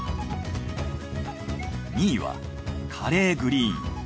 ２位はカレーグリーン。